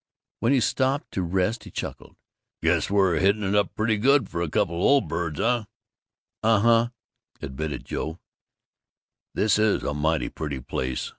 When he stopped to rest he chuckled, "Guess we're hitting it up pretty good for a couple o' old birds, eh?" "Uh huh," admitted Joe. "This is a mighty pretty place.